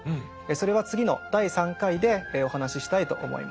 それは次の第３回でお話ししたいと思います。